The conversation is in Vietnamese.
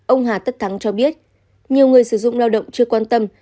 ông hà tất thắng cho biết nhiều người sử dụng lao động chưa quan tâm